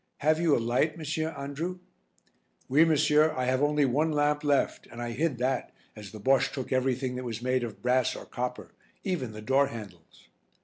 Have you a light, Monsieur Andrew?" "Oui, Monsieur, I have only one lamp left and I hid that as the Bosche took everything that was made of brass or copper, even the door handles."